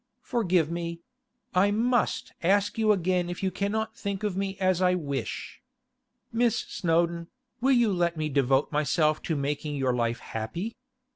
Forgive me; I must ask you again if you cannot think of me as I wish? Miss Snowdon, will you let me devote myself to making your life happy?